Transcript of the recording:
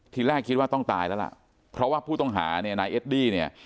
ทีแรกคิดว่าต้องตายแล้วล่ะเพราะว่าผู้ต้องหาเนี่ยนายเอดดี้เนี่ย